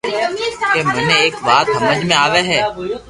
ڪي مني ايڪ وات ھمج ۾ آوي ھي